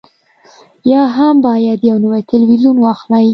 یا هم باید یو نوی تلویزیون واخلئ